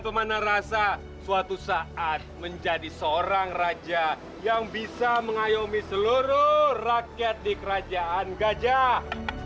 kemana rasa suatu saat menjadi seorang raja yang bisa mengayomi seluruh rakyat di kerajaan gajah